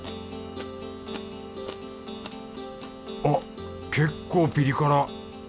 あっ結構ピリ辛！